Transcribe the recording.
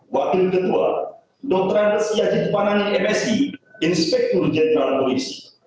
wakil ketua dr andes yajid panani msi inspektur jenderal polisi